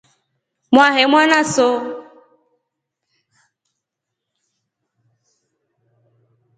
Mwahe mwanaso.